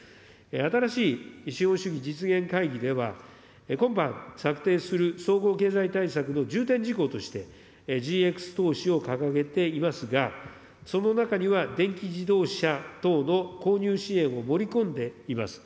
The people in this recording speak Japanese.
新しい資本主義実現会議では、今般、策定する総合経済対策の重点事項として、ＧＸ投資を掲げていますが、その中には、電気自動車等の購入支援を盛り込んでいます。